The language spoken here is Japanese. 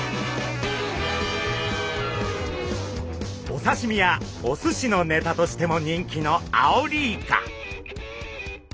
おさしみやおすしのネタとしても人気のアオリイカ。